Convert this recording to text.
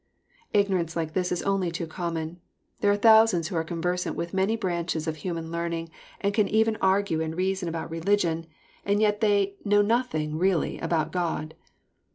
Ignorance like this is only too common. There are thousands who are conversant with many branches of human learning, and can even argue and reason about religion, and JOHN, CHAT. vnr. 77 yet know nothing really aboat God.